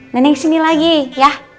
nenek sini lagi ya